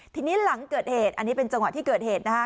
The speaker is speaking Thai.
ทีนี้หลังเกิดเหตุอันนี้เป็นจังหวะที่เกิดเหตุนะคะ